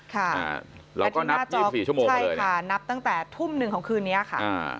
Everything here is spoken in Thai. ค่ะปกติหน้าจอคใช่ค่ะนับตั้งแต่ทุ่ม๑ของคืนนี้ค่ะ